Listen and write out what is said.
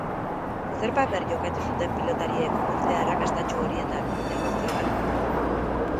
Zer paper jokatu zuten pilotariek urte arrakastatsu horietan, negozioan?